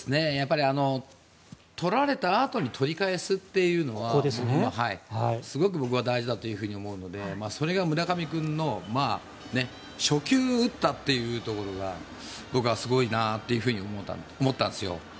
取られたあとに取り返すというのはすごく僕は大事だと思うのでそれが村上君の初球、打ったというところが僕はすごいなって思ったんですよ。